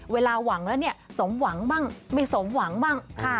เวลาหวังแล้วเนี่ยสมหวังบ้างไม่สมหวังบ้าง